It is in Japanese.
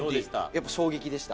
やっぱ衝撃でした。